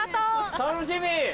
・楽しみ！